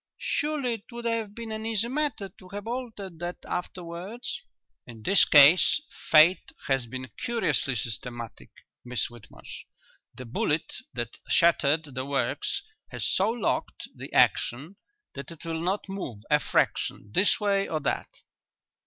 "Surely it would have been an easy matter to have altered that afterwards?" "In this case fate has been curiously systematic, Miss Whitmarsh. The bullet that shattered the works has so locked the action that it will not move a fraction this way or that."